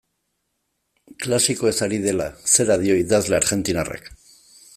Klasikoez ari dela, zera dio idazle argentinarrak.